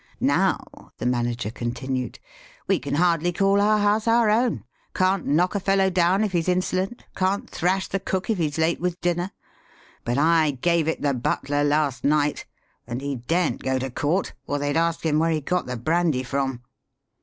" Now," the manager continued, '^ we can hardly call our house our own, can't knock a fellow down if he's insolent, can't thrash the cook if he's late with dinner. But I gave it the butler last night ; and he daren't go to court, or they'd ask him where he got the brandy from."